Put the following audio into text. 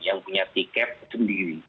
yang punya tiket sendiri